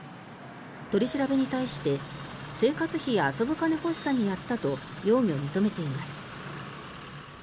取り調べに対して生活費や遊ぶ金欲しさにやったと容疑を認めています。